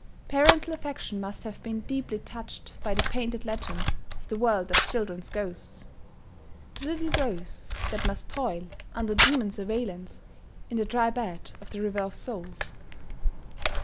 Parental affection must have been deeply touched by the painted legend of the world of children's ghosts, the little ghosts that must toil, under demon surveillance, in the Dry Bed of the River of Souls....